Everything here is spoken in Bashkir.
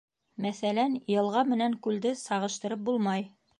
Мәҫәлән, йылға менән күлде сағыштырып булмай.